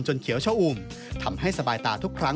เขียวชะอุ่มทำให้สบายตาทุกครั้ง